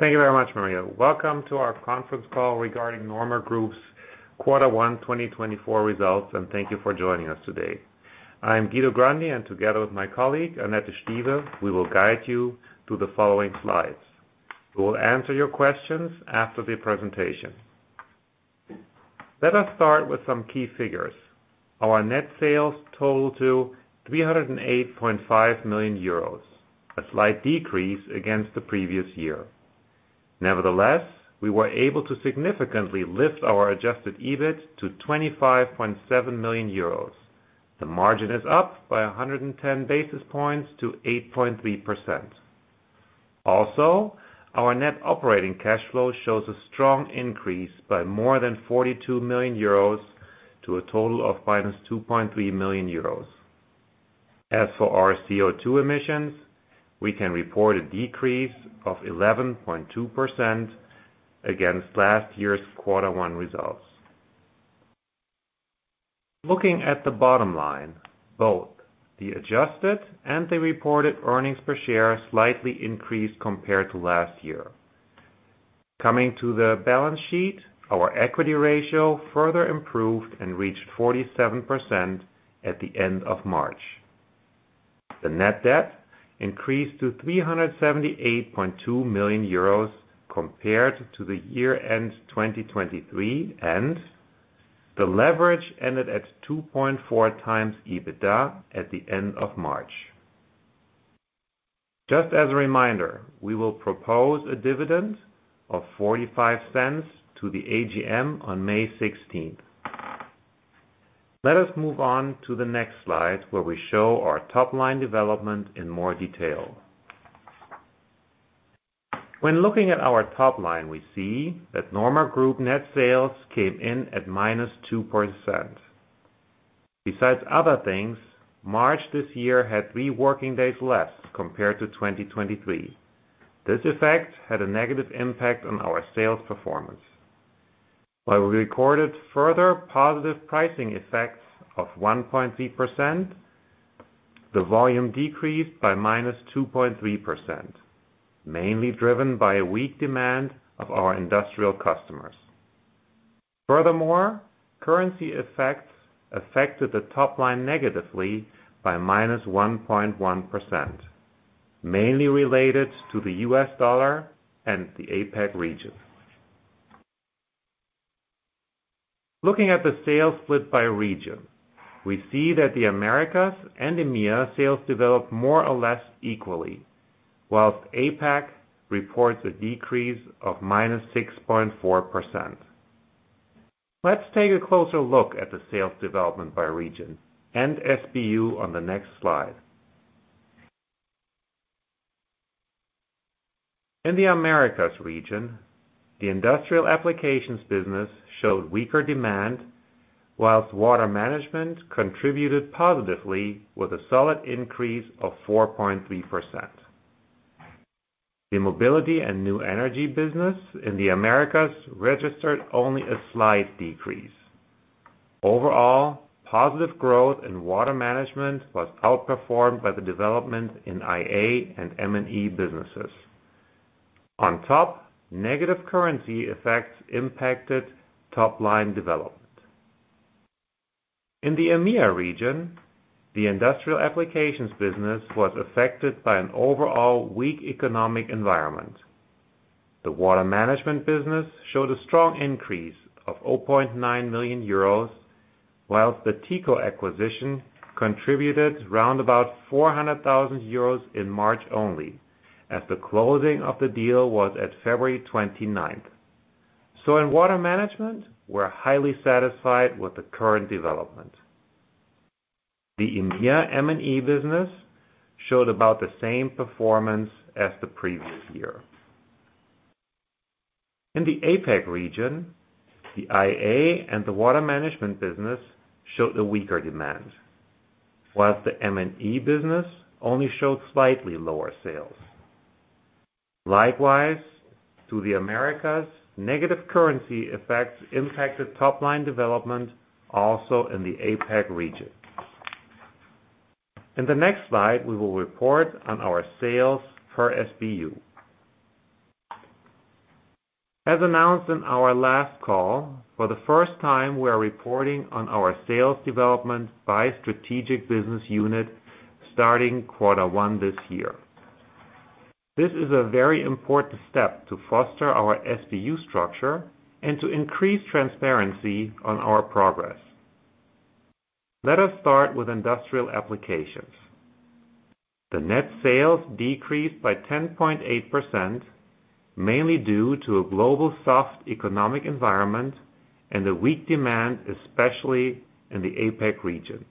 Thank you very much, Maria. Welcome to our conference call regarding NORMA Group's Quarter One 2024 results, and thank you for joining us today. I'm Guido Grandi, and together with my colleague, Annette Stieve, we will guide you through the following slides. We will answer your questions after the presentation. Let us start with some key figures. Our net sales total to 308.5 million euros, a slight decrease against the previous year. Nevertheless, we were able to significantly lift our adjusted EBIT to 25.7 million euros. The margin is up by 110 basis points to 8.3%. Also, our net operating cash flow shows a strong increase by more than 42 million euros to a total of -2.3 million euros. As for our CO₂ emissions, we can report a decrease of 11.2% against last year's Quarter One results. Looking at the bottom line, both the adjusted and the reported earnings per share slightly increased compared to last year. Coming to the balance sheet, our equity ratio further improved and reached 47% at the end of March. The net debt increased to 378.2 million euros compared to the year-end 2023, and the leverage ended at 2.4x EBITDA at the end of March. Just as a reminder, we will propose a dividend of 0.45 to the AGM on May sixteenth. Let us move on to the next slide, where we show our top-line development in more detail. When looking at our top line, we see that NORMA Group net sales came in at -2%. Besides other things, March this year had 3 working days less, compared to 2023. This effect had a negative impact on our sales performance. While we recorded further positive pricing effects of 1.3%, the volume decreased by -2.3%, mainly driven by a weak demand of our industrial customers. Furthermore, currency effects affected the top line negatively by -1.1%, mainly related to the US dollar and the APAC region. Looking at the sales split by region, we see that the Americas and EMEA sales developed more or less equally, whilst APAC reports a decrease of -6.4%. Let's take a closer look at the sales development by region and SBU on the next slide. In the Americas region, the Industrial Applications business showed weaker demand, while Water Management contributed positively with a solid increase of 4.3%. The Mobility and New Energy business in the Americas registered only a slight decrease. Overall, positive growth in Water Management was outperformed by the development in IA and M&E businesses. On top, negative currency effects impacted top-line development. In the EMEA region, the Industrial Applications business was affected by an overall weak economic environment. The Water Management business showed a strong increase of 0.9 million euros, while the Teco acquisition contributed round about 400,000 euros in March only, as the closing of the deal was at February twenty-ninth. So in Water Management, we're highly satisfied with the current development. The EMEA M&E business showed about the same performance as the previous year. In the APAC region, the IA and the Water Management business showed a weaker demand, while the M&E business only showed slightly lower sales. Likewise to the Americas, negative currency effects impacted top-line development also in the APAC region. In the next slide, we will report on our sales per SBU. As announced in our last call, for the first time, we are reporting on our sales development by strategic business unit starting Quarter One this year. This is a very important step to foster our SBU structure and to increase transparency on our progress. Let us start with Industrial Applications. The net sales decreased by 10.8%, mainly due to a global soft economic environment and the weak demand, especially in the APAC region.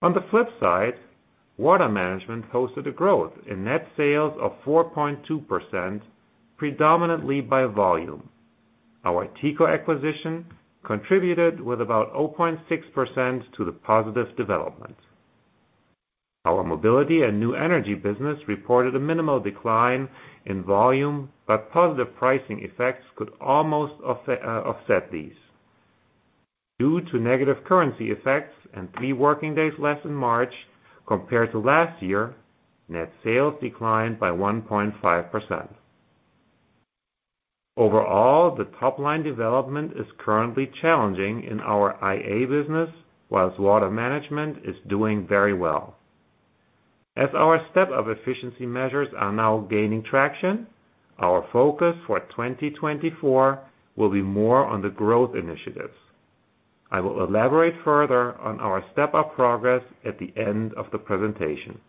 On the flip side, Water Management posted a growth in net sales of 4.2%, predominantly by volume. Our Teco acquisition contributed with about 0.6% to the positive development. Our Mobility and New Energy business reported a minimal decline in volume, but positive pricing effects could almost offset these. Due to negative currency effects and three working days less in March compared to last year, net sales declined by 1.5%. Overall, the top line development is currently challenging in our IA business, while Water Management is doing very well. As our Step Up efficiency measures are now gaining traction, our focus for 2024 will be more on the growth initiatives. I will elaborate further on our Step Up progress at the end of the presentation.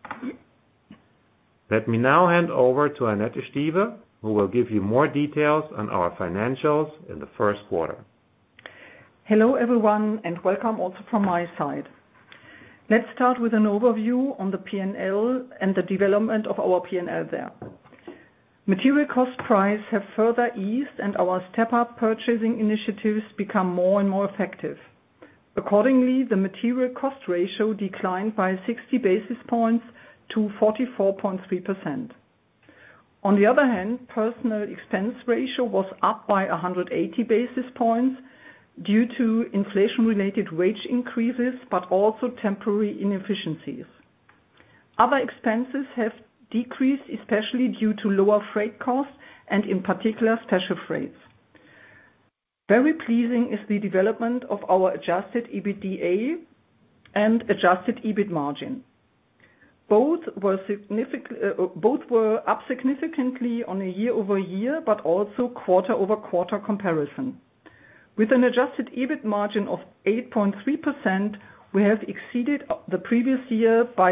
Let me now hand over to Annette Stieve, who will give you more details on our financials in the first quarter. Hello, everyone, and welcome also from my side. Let's start with an overview on the P&L and the development of our P&L there. Material cost prices have further eased, and our Step Up purchasing initiatives become more and more effective. Accordingly, the material cost ratio declined by 60 basis points to 44.3%. On the other hand, personnel expense ratio was up by 180 basis points due to inflation-related wage increases, but also temporary inefficiencies. Other expenses have decreased, especially due to lower freight costs and in particular, special freights. Very pleasing is the development of our adjusted EBITDA and adjusted EBIT margin. Both were up significantly on a year-over-year, but also quarter-over-quarter comparison. With an adjusted EBIT margin of 8.3%, we have exceeded the previous year by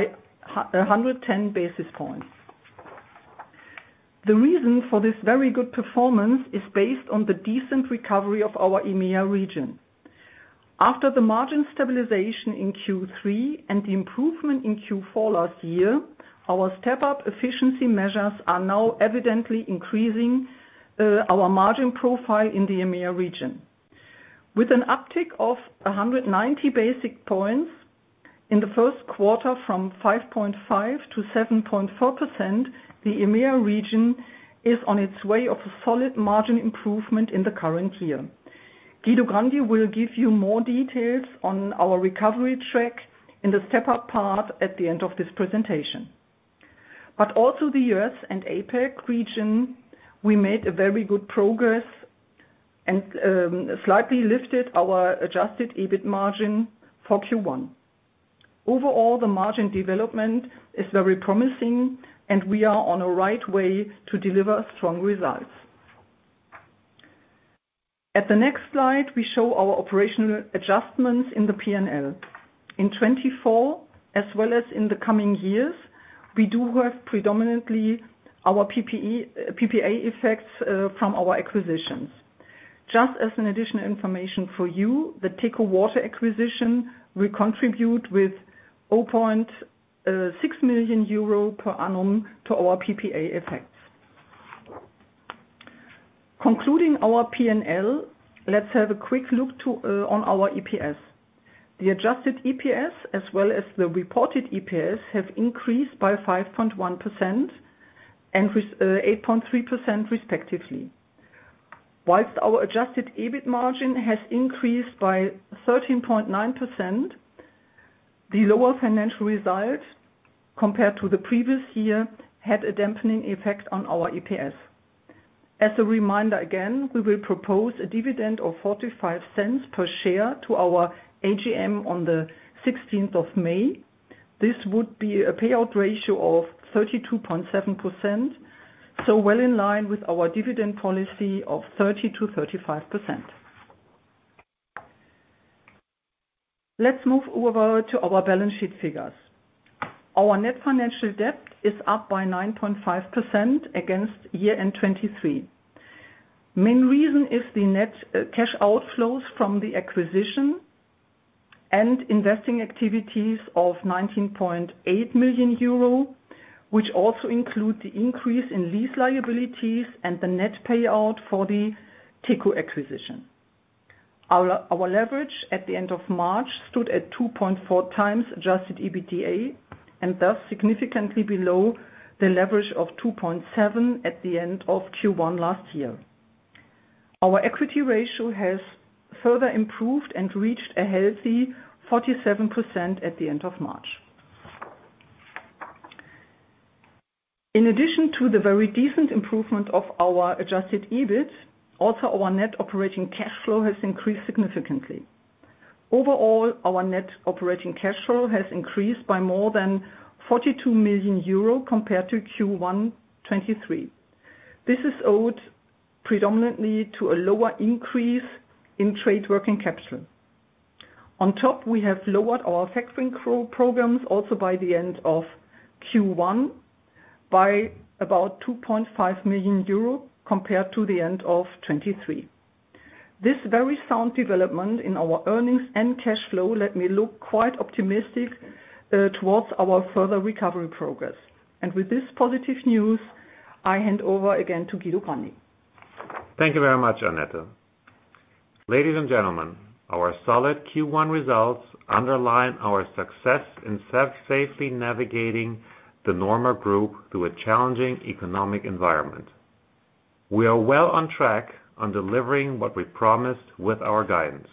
110 basis points. The reason for this very good performance is based on the decent recovery of our EMEA region. After the margin stabilization in Q3 and the improvement in Q4 last year, our Step Up efficiency measures are now evidently increasing our margin profile in the EMEA region. With an uptick of 190 basis points in the first quarter, from 5.5% to 7.4%, the EMEA region is on its way of a solid margin improvement in the current year. Guido Grandi will give you more details on our recovery track in the Step Up part at the end of this presentation. But also the US and APAC region, we made a very good progress and slightly lifted our adjusted EBIT margin for Q1. Overall, the margin development is very promising, and we are on a right way to deliver strong results. At the next slide, we show our operational adjustments in the P&L. In 2024, as well as in the coming years, we do have predominantly our PPE, PPA effects from our acquisitions. Just as an additional information for you, the Teco Water acquisition will contribute with 0.6 million euro per annum to our PPA effects. Concluding our P&L, let's have a quick look to on our EPS. The adjusted EPS, as well as the reported EPS, have increased by 5.1% and with 8.3%, respectively. While our adjusted EBIT margin has increased by 13.9%, the lower financial result compared to the previous year, had a dampening effect on our EPS. As a reminder, again, we will propose a dividend of 0.45 per share to our AGM on the sixteenth of May. This would be a payout ratio of 32.7%, so well in line with our dividend policy of 30%-35%. Let's move over to our balance sheet figures. Our net financial debt is up by 9.5% against year-end 2023. Main reason is the net cash outflows from the acquisition and investing activities of 19.8 million euro, which also include the increase in lease liabilities and the net payout for the Teco acquisition. Our leverage at the end of March stood at 2.4 times adjusted EBITDA, and thus significantly below the leverage of 2.7 at the end of Q1 last year. Our equity ratio has further improved and reached a healthy 47% at the end of March. In addition to the very decent improvement of our adjusted EBIT, also, our net operating cash flow has increased significantly. Overall, our net operating cash flow has increased by more than 42 million euro compared to Q1 2023. This is owed predominantly to a lower increase in trade working capital. On top, we have lowered our factoring programs, also by the end of Q1, by about 2.5 million euro compared to the end of 2023. This very sound development in our earnings and cash flow let me look quite optimistic towards our further recovery progress. And with this positive news, I hand over again to Guido Grandi. Thank you very much, Annette. Ladies and gentlemen, our solid Q1 results underline our success in safely navigating the NORMA Group through a challenging economic environment. We are well on track on delivering what we promised with our guidance.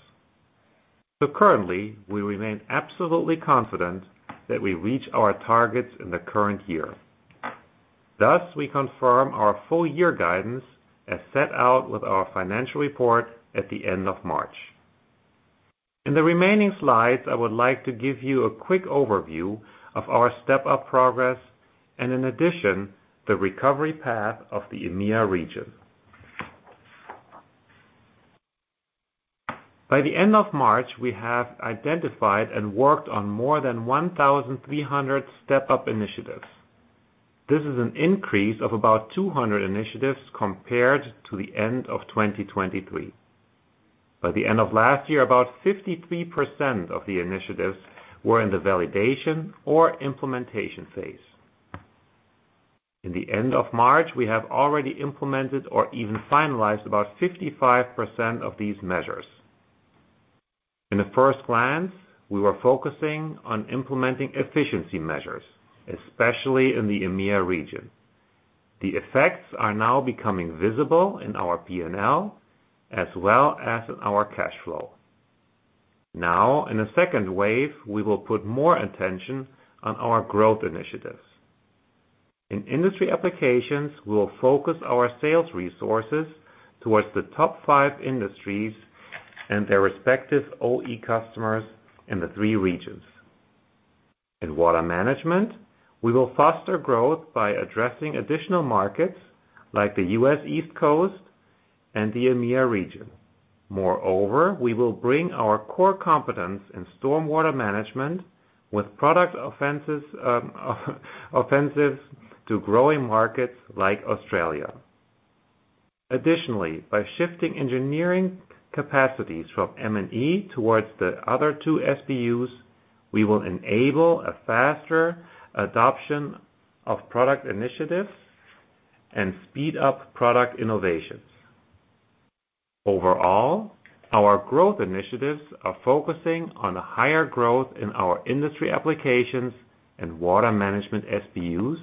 Currently, we remain absolutely confident that we reach our targets in the current year. Thus, we confirm our full year guidance as set out with our financial report at the end of March. In the remaining slides, I would like to give you a quick overview of our Step Up progress, and in addition, the recovery path of the EMEA region. By the end of March, we have identified and worked on more than 1,300 Step Up initiatives. This is an increase of about 200 initiatives compared to the end of 2023. By the end of last year, about 53% of the initiatives were in the validation or implementation phase. In the end of March, we have already implemented or even finalized about 55% of these measures. In the first glance, we were focusing on implementing efficiency measures, especially in the EMEA region. The effects are now becoming visible in our P&L, as well as in our cash flow. Now, in a second wave, we will put more attention on our growth initiatives. In Industrial Applications, we will focus our sales resources towards the top five industries and their respective OE customers in the three regions. In Water Management, we will foster growth by addressing additional markets like the US East Coast and the EMEA region. Moreover, we will bring our core competence in Stormwater Management with product offenses, offensives to growing markets like Australia. Additionally, by shifting engineering capacities from M&E towards the other two SBUs, we will enable a faster adoption of product initiatives and speed up product innovations. Overall, our growth initiatives are focusing on a higher growth in our Industrial Applications and Water Management SBUs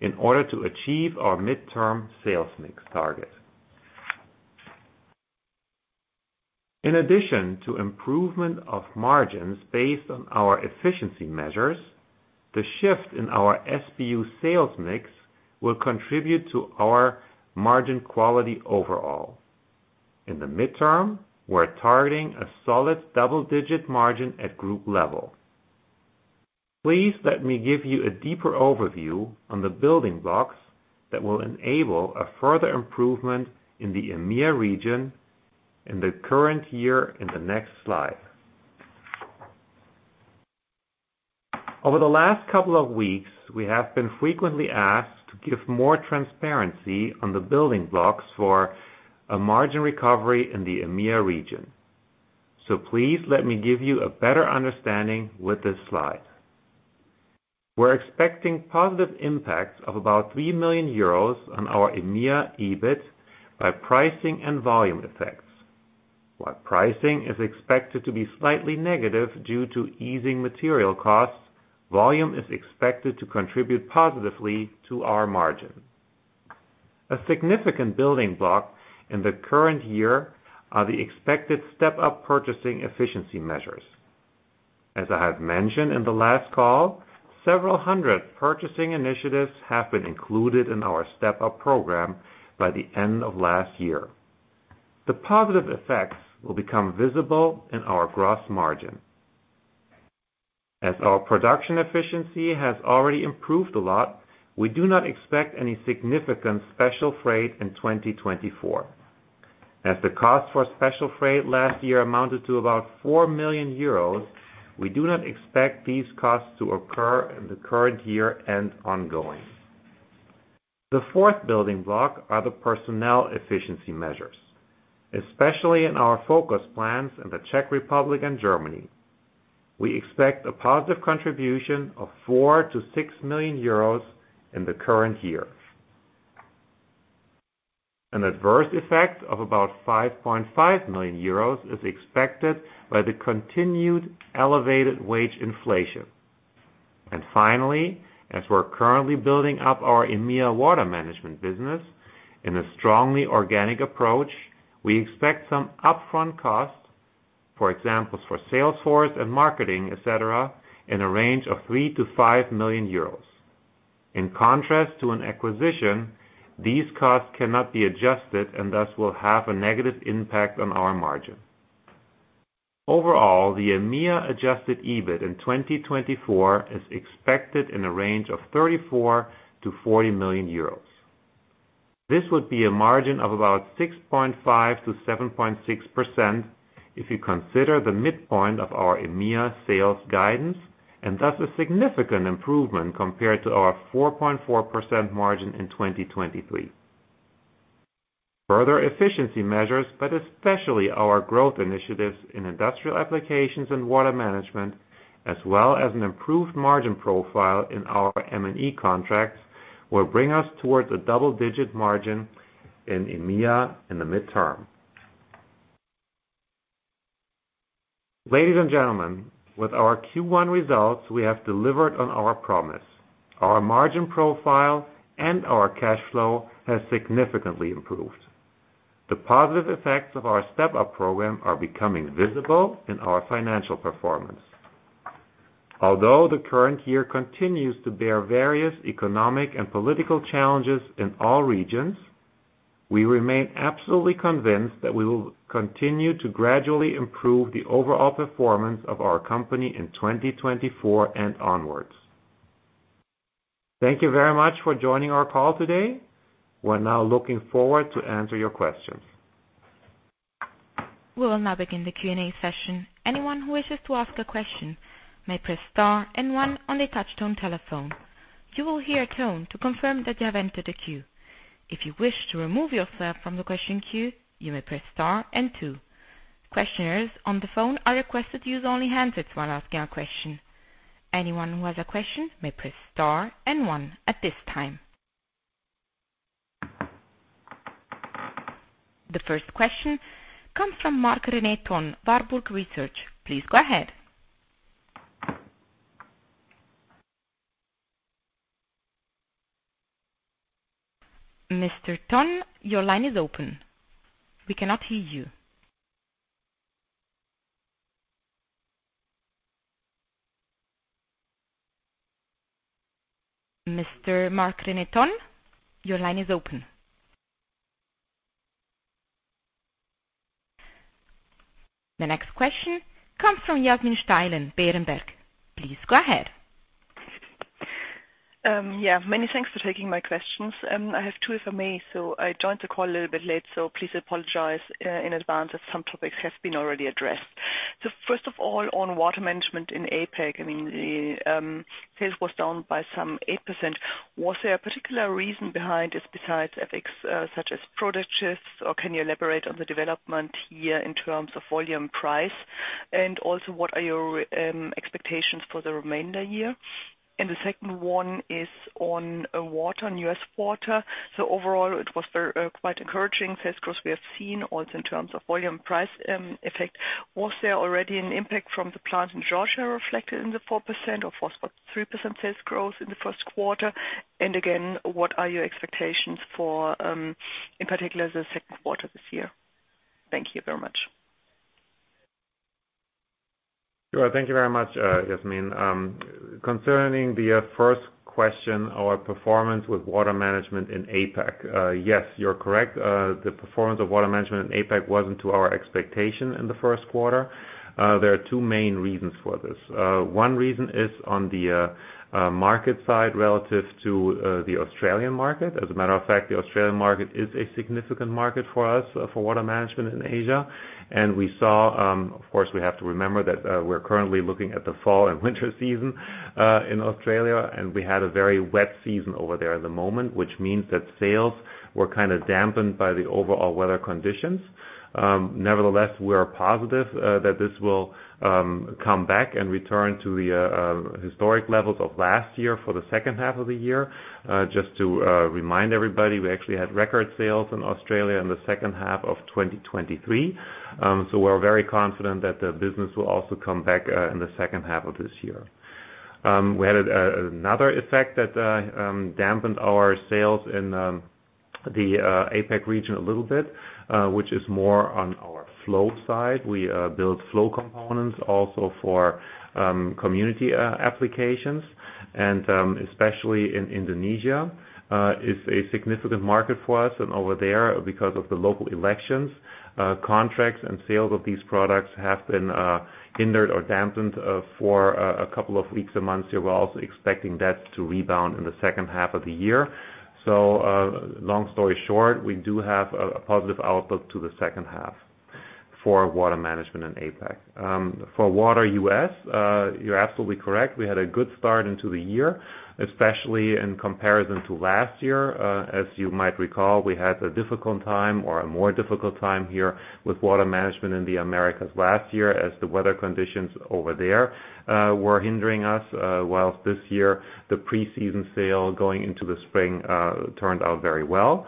in order to achieve our midterm sales mix target. In addition to improvement of margins based on our efficiency measures, the shift in our SBU sales mix will contribute to our margin quality overall. In the midterm, we're targeting a solid double-digit margin at group level. Please let me give you a deeper overview on the building blocks that will enable a further improvement in the EMEA region in the current year in the next slide. Over the last couple of weeks, we have been frequently asked to give more transparency on the building blocks for a margin recovery in the EMEA region. Please let me give you a better understanding with this slide. We're expecting positive impacts of about 3 million euros on our EMEA EBIT by pricing and volume effects. While pricing is expected to be slightly negative due to easing material costs, volume is expected to contribute positively to our margin. A significant building block in the current year are the expected Step Up purchasing efficiency measures. As I have mentioned in the last call, several hundred purchasing initiatives have been included in our Step Up program by the end of last year. The positive effects will become visible in our gross margin. As our production efficiency has already improved a lot, we do not expect any significant special freight in 2024. As the cost for special freight last year amounted to about 4 million euros, we do not expect these costs to occur in the current year and ongoing. The fourth building block are the personnel efficiency measures, especially in our focus plants in the Czech Republic and Germany. We expect a positive contribution of 4 million-6 million euros in the current year. An adverse effect of about 5.5 million euros is expected by the continued elevated wage inflation. And finally, as we're currently building up our EMEA Water Management business in a strongly organic approach, we expect some upfront costs, for example, for sales force and marketing, et cetera, in a range of 3 million-5 million euros. In contrast to an acquisition, these costs cannot be adjusted, and thus will have a negative impact on our margin. Overall, the EMEA adjusted EBIT in 2024 is expected in a range of 34 million-40 million euros. This would be a margin of about 6.5%-7.6% if you consider the midpoint of our EMEA sales guidance, and thus a significant improvement compared to our 4.4% margin in 2023. Further efficiency measures, but especially our growth initiatives in industrial applications and Water Management, as well as an improved margin profile in our M&E contracts, will bring us towards a double-digit margin in EMEA in the midterm.... Ladies and gentlemen, with our Q1 results, we have delivered on our promise. Our margin profile and our cash flow has significantly improved. The positive effects of our Step Up program are becoming visible in our financial performance. Although the current year continues to bear various economic and political challenges in all regions, we remain absolutely convinced that we will continue to gradually improve the overall performance of our company in 2024 and onwards. Thank you very much for joining our call today. We're now looking forward to answer your questions. We will now begin the Q&A session. Anyone who wishes to ask a question may press star and one on the touchtone telephone. You will hear a tone to confirm that you have entered the queue. If you wish to remove yourself from the question queue, you may press star and two. Questioners on the phone are requested to use only hands while asking a question. Anyone who has a question may press star and one at this time. The first question comes from Marc-René Tonn, Warburg Research. Please go ahead. Mr. Tonn, your line is open. We cannot hear you. Mr. Marc-René Tonn, your line is open. The next question comes from Yasmin Steilen, Berenberg. Please go ahead. Yeah, many thanks for taking my questions, and I have two if I may. So I joined the call a little bit late, so please apologize in advance, as some topics have been already addressed. So first of all, on Water Management in APAC, I mean, sales was down by some 8%. Was there a particular reason behind this, besides FX, such as product shifts, or can you elaborate on the development here in terms of volume, price? And also, what are your expectations for the remainder year? And the second one is on water, on US water. So overall, it was very quite encouraging sales growth we have seen, also in terms of volume, price, effect. Was there already an impact from the plant in Georgia reflected in the 4% or was three percent sales growth in the first quarter? And again, what are your expectations for, in particular, the second quarter this year? Thank you very much. Sure. Thank you very much, Yasmin. Concerning the first question, our performance with Water Management in APAC. Yes, you're correct. The performance of Water Management in APAC wasn't to our expectation in the first quarter. There are two main reasons for this. One reason is on the market side, relative to the Australian market. As a matter of fact, the Australian market is a significant market for us, for Water Management in Asia. Of course, we have to remember that, we're currently looking at the fall and winter season in Australia, and we had a very wet season over there at the moment, which means that sales were kind of dampened by the overall weather conditions. Nevertheless, we are positive that this will come back and return to the historic levels of last year for the second half of the year. Just to remind everybody, we actually had record sales in Australia in the second half of 2023. So we're very confident that the business will also come back in the second half of this year. We had another effect that dampened our sales in the APAC region a little bit, which is more on our flow side. We build flow components also for community applications, and especially in Indonesia is a significant market for us. Over there, because of the local elections, contracts and sales of these products have been hindered or dampened for a couple of weeks and months here. We're also expecting that to rebound in the second half of the year. Long story short, we do have a positive outlook to the second half for Water Management in APAC. For water US, you're absolutely correct. We had a good start into the year, especially in comparison to last year. As you might recall, we had a difficult time or a more difficult time here with Water Management in the Americas last year, as the weather conditions over there were hindering us. Whilst this year, the pre-season sale going into the spring turned out very well.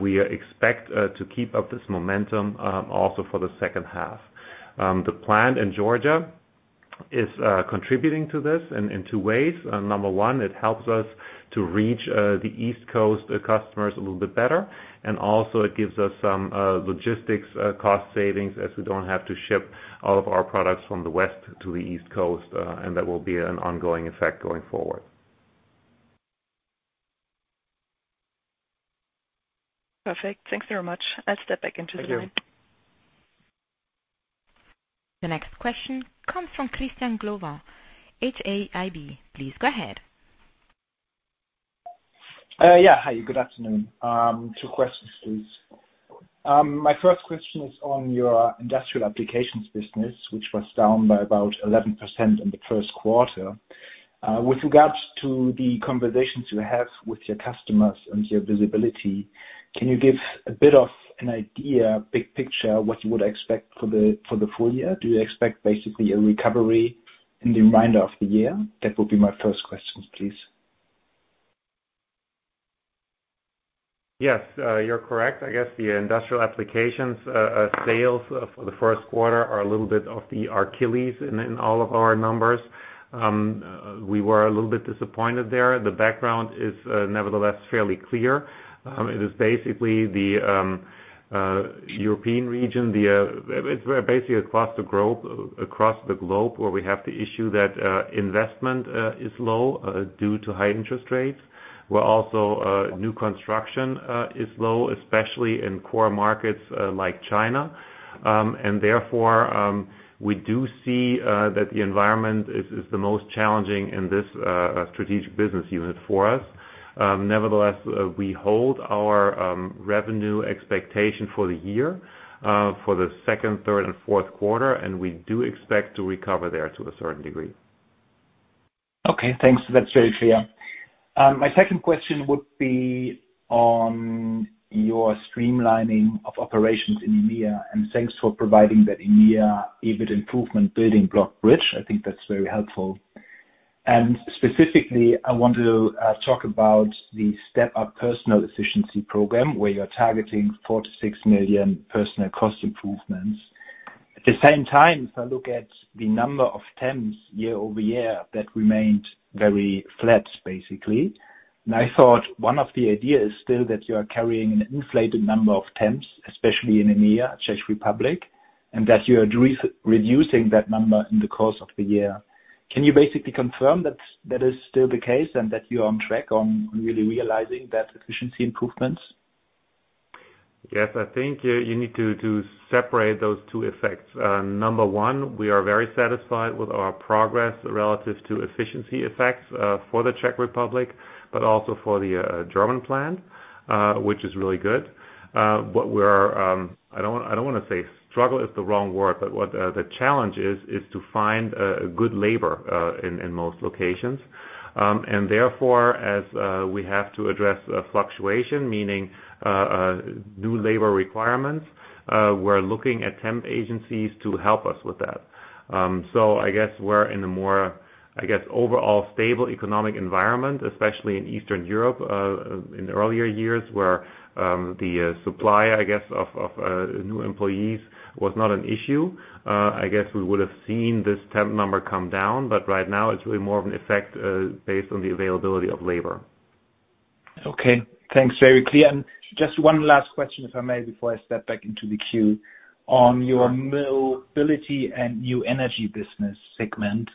We expect to keep up this momentum also for the second half. The plant in Georgia is contributing to this in two ways. Number one, it helps us to reach the East Coast customers a little bit better, and also it gives us some logistics cost savings, as we don't have to ship all of our products from the west to the east coast, and that will be an ongoing effect going forward. Perfect. Thanks very much. I'll step back into the line. Thank you. The next question comes from Christian Glowa, HAIB. Please go ahead. Yeah. Hi, good afternoon. Two questions, please. My first question is on your Industrial Applications business, which was down by about 11% in the first quarter. With regards to the conversations you have with your customers and your visibility, can you give a bit of an idea, big picture, what you would expect for the full year? Do you expect basically a recovery in the remainder of the year? That would be my first question, please.... Yes, you're correct. I guess the industrial applications sales for the first quarter are a little bit of the Achilles' heel in all of our numbers. We were a little bit disappointed there. The background is, nevertheless, fairly clear. It is basically the European region. It's where basically across the globe where we have the issue that investment is low due to high interest rates, where also new construction is low, especially in core markets like China. And therefore, we do see that the environment is the most challenging in this strategic business unit for us. Nevertheless, we hold our revenue expectation for the year for the second, third, and fourth quarter, and we do expect to recover there to a certain degree. Okay, thanks. That's very clear. My second question would be on your streamlining of operations in EMEA, and thanks for providing that EMEA EBIT improvement building block bridge. I think that's very helpful. And specifically, I want to talk about the Step Up personnel efficiency program, where you're targeting 4 million-6 million personnel cost improvements. At the same time, if I look at the number of temps year-over-year, that remained very flat, basically. And I thought one of the ideas is still that you are carrying an inflated number of temps, especially in EMEA, Czech Republic, and that you are reducing that number in the course of the year. Can you basically confirm that is still the case and that you are on track on really realizing that efficiency improvements? Yes, I think you need to separate those two effects. Number one, we are very satisfied with our progress relative to efficiency effects for the Czech Republic, but also for the German plant, which is really good. What we're doing, I don't want to say. Struggle is the wrong word, but what the challenge is is to find a good labor in most locations. And therefore, as we have to address a fluctuation, meaning new labor requirements, we're looking at temp agencies to help us with that. So I guess we're in a more overall stable economic environment, especially in Eastern Europe, in earlier years, where the supply of new employees was not an issue. I guess we would have seen this temp number come down, but right now it's really more of an effect, based on the availability of labor. Okay, thanks. Very clear. Just one last question, if I may, before I step back into the queue. On your Mobility and New Energy business segment,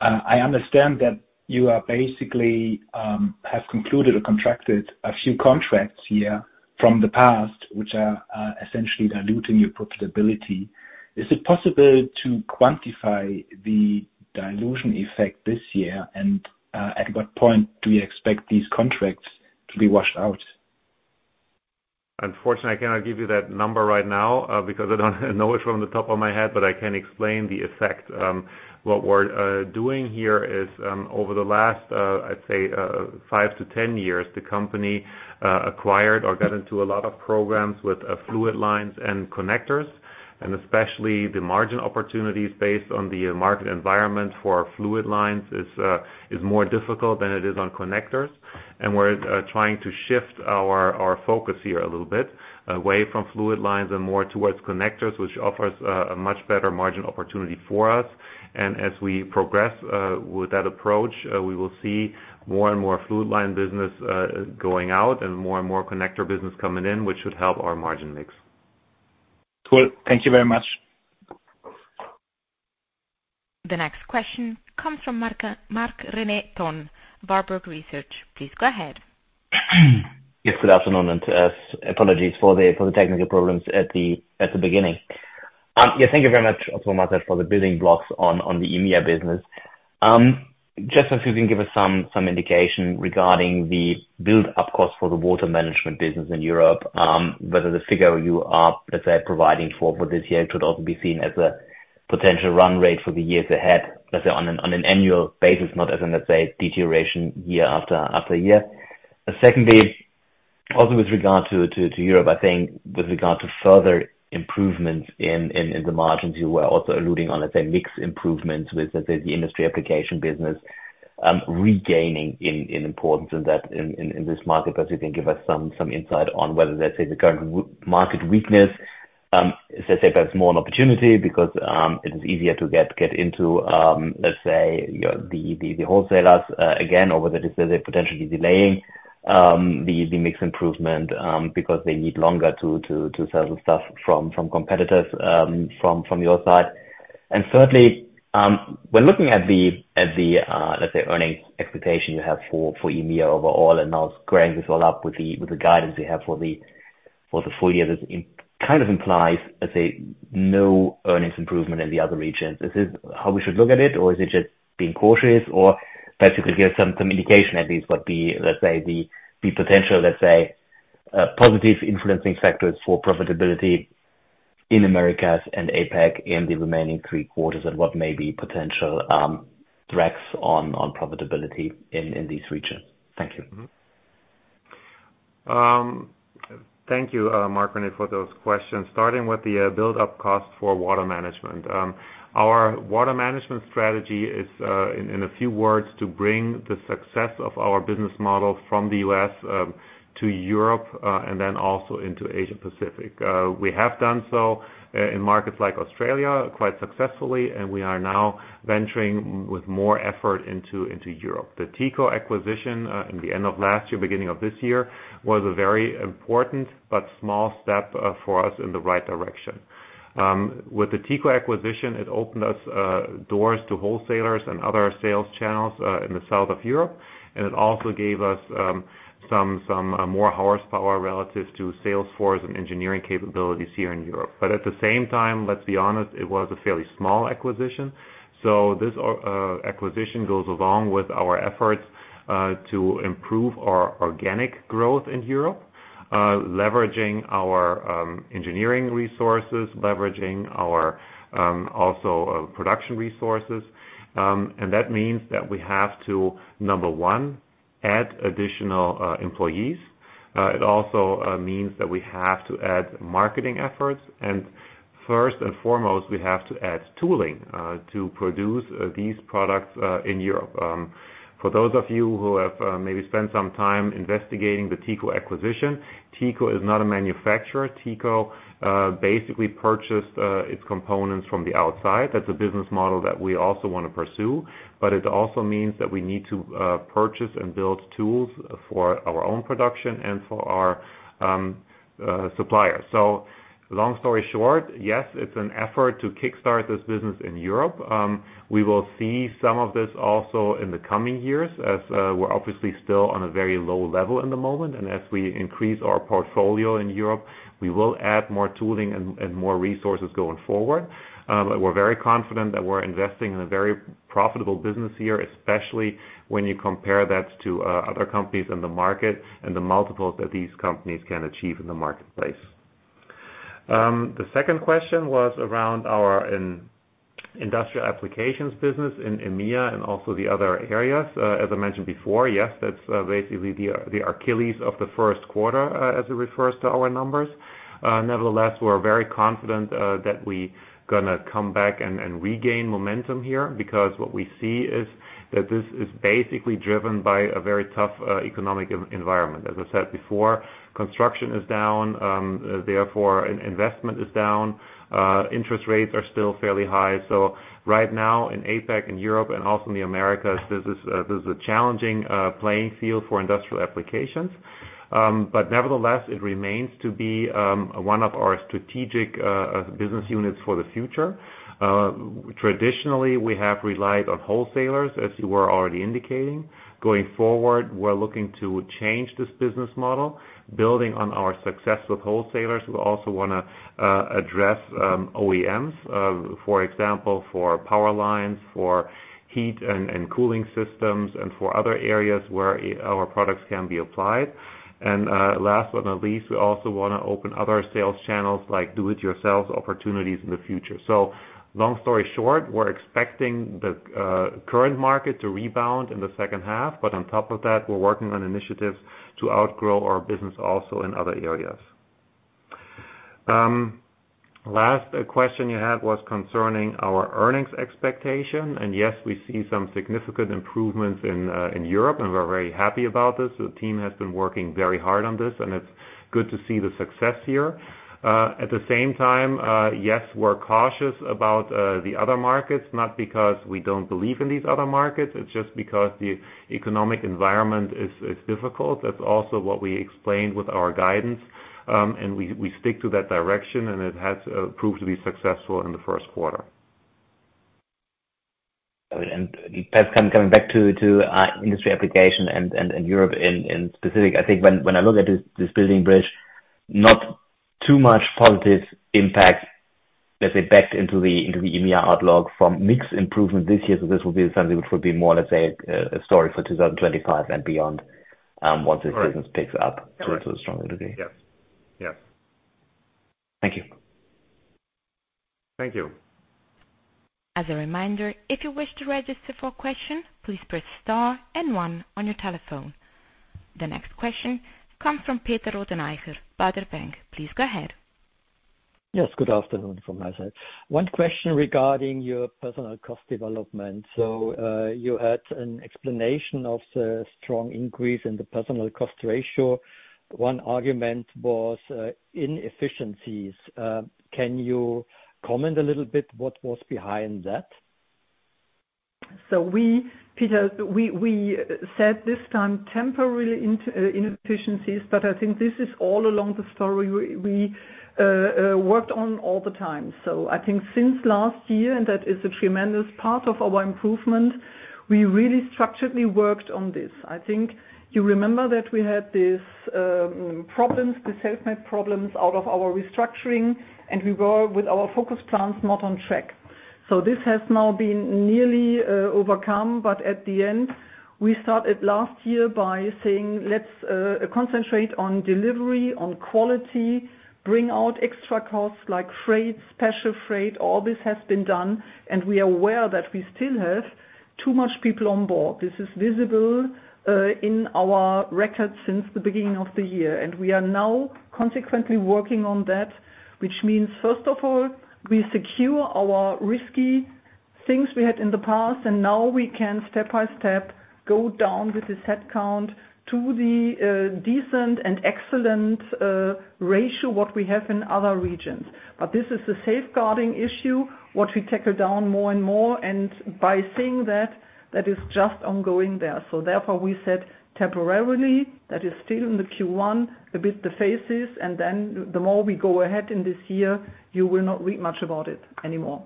I understand that you are basically have concluded or contracted a few contracts here from the past, which are essentially diluting your profitability. Is it possible to quantify the dilution effect this year? And at what point do you expect these contracts to be washed out? Unfortunately, I cannot give you that number right now, because I don't know it from the top of my head, but I can explain the effect. What we're doing here is, over the last, I'd say, 5-10 years, the company acquired or got into a lot of programs with fluid lines and connectors, and especially the margin opportunities based on the market environment for our fluid lines is more difficult than it is on connectors. And we're trying to shift our focus here a little bit away from fluid lines and more towards connectors, which offers a much better margin opportunity for us. As we progress with that approach, we will see more and more fluid line business going out and more and more connector business coming in, which should help our margin mix. Cool. Thank you very much. The next question comes from Marc-René Tonn, Warburg Research. Please go ahead. Yes, good afternoon, and apologies for the technical problems at the beginning. Yeah, thank you very much, also, Marcel, for the building blocks on the EMEA business. Just if you can give us some indication regarding the build-up cost for the Water Management business in Europe, whether the figure you are, let's say, providing for this year, should also be seen as a potential run rate for the years ahead, let's say, on an annual basis, not as an, let's say, deterioration year after year. Secondly, also with regard to Europe, I think with regard to further improvements in the margins, you were also alluding on, let's say, mixed improvements with, let's say, the Industrial Applications business, regaining in this market. But if you can give us some insight on whether, let's say, the current market weakness is, let's say, perhaps more an opportunity because it is easier to get into, let's say, the wholesalers again, or whether this is potentially delaying the mix improvement because they need longer to sell stuff from competitors from your side. And thirdly, when looking at the earnings expectation you have for EMEA overall, and now squaring this all up with the guidance you have for the full year, this kind of implies, let's say, no earnings improvement in the other regions. Is this how we should look at it, or is it just being cautious? Perhaps you could give some indication at least what the, let's say, the potential, let's say, positive influencing factors for profitability in Americas and APAC in the remaining three quarters, and what may be potential threats on profitability in these regions. Thank you. Thank you, Mark, for those questions. Starting with the build-up cost for Water Management. Our Water Management strategy is, in a few words, to bring the success of our business model from the US to Europe and then also into Asia Pacific. We have done so in markets like Australia quite successfully, and we are now venturing with more effort into Europe. The Teco acquisition in the end of last year, beginning of this year, was a very important but small step for us in the right direction. With the Teco acquisition, it opened us doors to wholesalers and other sales channels in the south of Europe, and it also gave us some more horsepower relative to sales force and engineering capabilities here in Europe. But at the same time, let's be honest, it was a fairly small acquisition. So this acquisition goes along with our efforts to improve our organic growth in Europe, leveraging our engineering resources, leveraging our also production resources. And that means that we have to, number one, add additional employees. It also means that we have to add marketing efforts, and first and foremost, we have to add tooling to produce these products in Europe. For those of you who have maybe spent some time investigating the Teco acquisition, Teco is not a manufacturer. Teco basically purchased its components from the outside. That's a business model that we also want to pursue, but it also means that we need to purchase and build tools for our own production and for our suppliers. So long story short, yes, it's an effort to kickstart this business in Europe. We will see some of this also in the coming years, as we're obviously still on a very low level in the moment. And as we increase our portfolio in Europe, we will add more tooling and more resources going forward. But we're very confident that we're investing in a very profitable business here, especially when you compare that to other companies in the market and the multiples that these companies can achieve in the marketplace. The second question was around our industrial applications business in EMEA and also the other areas. As I mentioned before, yes, that's basically the Achilles heel of the first quarter, as it refers to our numbers. Nevertheless, we're very confident that we're gonna come back and regain momentum here, because what we see is that this is basically driven by a very tough economic environment. As I said before, construction is down, therefore investment is down. Interest rates are still fairly high. So right now, in APAC and Europe and also in the Americas, this is a challenging playing field for industrial applications. But nevertheless, it remains to be one of our strategic business units for the future. Traditionally, we have relied on wholesalers, as you were already indicating. Going forward, we're looking to change this business model. Building on our success with wholesalers, we also wanna address OEMs, for example, for power lines, for heat and cooling systems, and for other areas where our products can be applied. And last but not least, we also wanna open other sales channels, like do-it-yourself opportunities in the future. So long story short, we're expecting the current market to rebound in the second half, but on top of that, we're working on initiatives to outgrow our business also in other areas. Last question you had was concerning our earnings expectation. And yes, we see some significant improvements in Europe, and we're very happy about this. The team has been working very hard on this, and it's good to see the success here. At the same time, yes, we're cautious about the other markets, not because we don't believe in these other markets. It's just because the economic environment is difficult. That's also what we explained with our guidance, and we stick to that direction, and it has proved to be successful in the first quarter. Perhaps coming back to Industrial Applications and Europe in specific. I think when I look at this building bridge, not too much positive impact, let's say, backed into the EMEA outlook from mixed improvement this year. So this will be something which will be more, let's say, a story for 2025 and beyond, once this business picks up. Correct. So strongly today. Yes. Yes. Thank you. Thank you. As a reminder, if you wish to register for a question, please press star and one on your telephone. The next question comes from Peter Rothenaicher, Baader Bank. Please go ahead. Yes, good afternoon from my side. One question regarding your personnel cost development. So, you had an explanation of the strong increase in the personnel cost ratio. One argument was inefficiencies. Can you comment a little bit what was behind that? So we, Peter, said this time, temporary inefficiencies, but I think this is all along the story worked on all the time. So I think since last year, and that is a tremendous part of our improvement, we really structuredly worked on this. I think you remember that we had this, problems, the self-made problems out of our restructuring, and we were, with our focus plants, not on track. So this has now been nearly overcome, but at the end, we started last year by saying, "Let's concentrate on delivery, on quality, bring out extra costs like freight, special freight." All this has been done, and we are aware that we still have too much people on board. This is visible in our records since the beginning of the year, and we are now consequently working on that, which means, first of all, we secure our risky things we had in the past, and now we can step by step go down with this headcount to the decent and excellent ratio what we have in other regions. But this is a safeguarding issue what we tackle down more and more, and by saying that, that is just ongoing there. So therefore, we said temporarily that is still in the Q1 a bit the phases, and then the more we go ahead in this year, you will not read much about it anymore.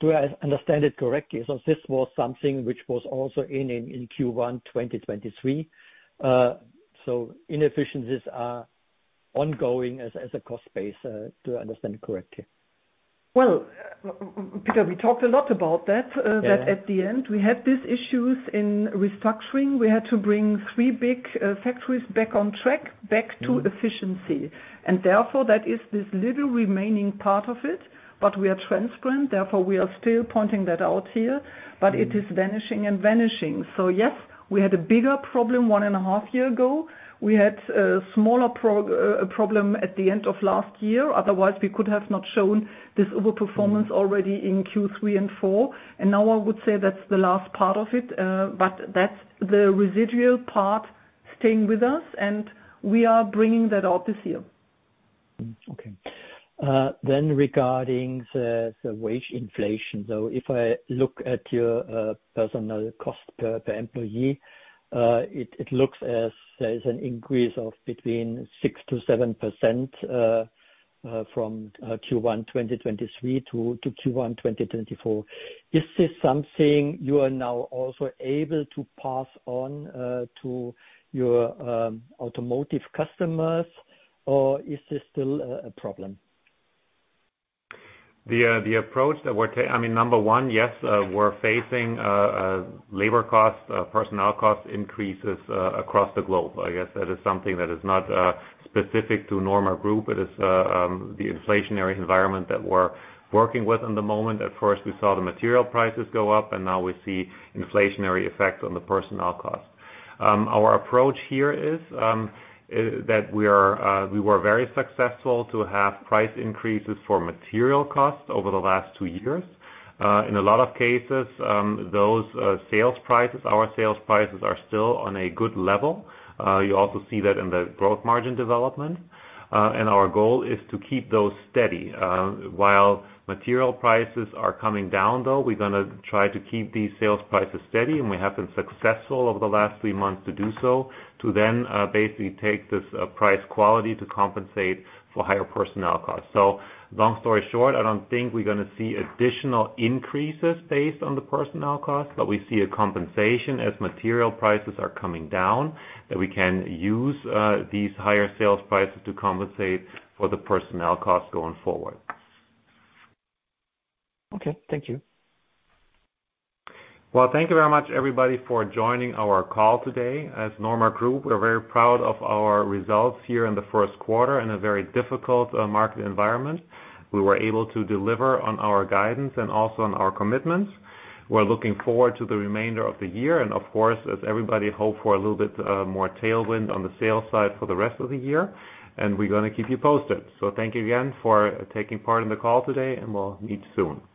Do I understand it correctly? So this was something which was also in Q1, 2023. So inefficiencies are ongoing as a cost base, do I understand correctly? Well, Peter, we talked a lot about that- Yeah. That at the end, we had these issues in restructuring. We had to bring three big factories back on track, back to efficiency. And therefore, that is this little remaining part of it, but we are transparent, therefore, we are still pointing that out here, but it is vanishing and vanishing. So yes, we had a bigger problem one and a half year ago. We had a smaller problem at the end of last year. Otherwise, we could have not shown this overperformance already in Q3 and four, and now I would say that's the last part of it. But that's the residual part staying with us, and we are bringing that out this year. Okay. Then, regarding the wage inflation, though, if I look at your personnel cost per employee, it looks as if there is an increase of between 6%-7% from Q1 2023 to Q1 2024. Is this something you are now also able to pass on to your automotive customers, or is this still a problem? The approach that we're taking—I mean, number one, yes, we're facing labor costs, personnel cost increases across the globe. I guess that is something that is not specific to Norma Group. It is the inflationary environment that we're working with in the moment. At first, we saw the material prices go up, and now we see inflationary effects on the personnel costs. Our approach here is that we were very successful to have price increases for material costs over the last two years. In a lot of cases, those sales prices, our sales prices, are still on a good level. You also see that in the gross margin development, and our goal is to keep those steady. While material prices are coming down, though, we're gonna try to keep these sales prices steady, and we have been successful over the last three months to do so, to then basically take this price quality to compensate for higher personnel costs. So long story short, I don't think we're gonna see additional increases based on the personnel costs, but we see a compensation as material prices are coming down, that we can use these higher sales prices to compensate for the personnel costs going forward. Okay, thank you. Well, thank you very much, everybody, for joining our call today. As Norma Group, we're very proud of our results here in the first quarter, in a very difficult, market environment. We were able to deliver on our guidance and also on our commitments. We're looking forward to the remainder of the year, and of course, as everybody hope for a little bit, more tailwind on the sales side for the rest of the year, and we're gonna keep you posted. So thank you again for taking part in the call today, and we'll meet soon.